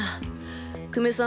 久米さん